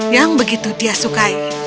yang begitu dia sukai